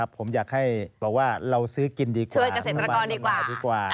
ผมอยากให้บอกว่าเราซื้อกินดีกว่าช่วยเกษตรกรดีกว่า